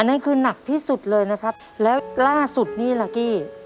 นั่นคือหนักที่สุดเลยนะครับแล้วล่าสุดนี่แหละกี้